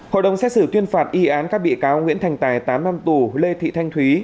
hội đồng xét xử tuyên phạt y án các bị cáo nguyễn thành tài tám năm tù lê thị thanh thúy